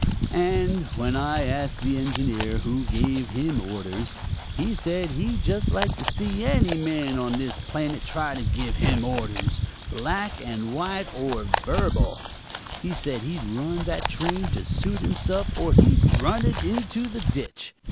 And when I asked the engineer who gave him orders, he said he'd just like to see any man on this planet try to give him orders, black and white or verbal; he said he'd run that train to suit himself or he'd run it into the ditch.